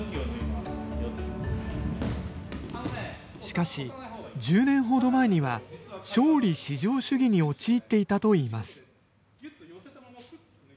しかし、１０年ほど前には、勝利至上主義に陥っていたといいます。